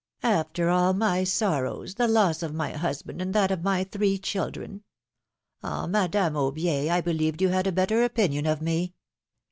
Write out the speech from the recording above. After all my sorrows, the loss of my husband and that of my three children ! Ah ! Madame Aubier, I believed you had a better opinion of me."